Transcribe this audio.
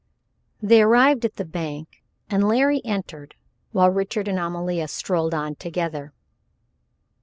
They arrived at the bank, and Larry entered while Richard and Amalia strolled on together.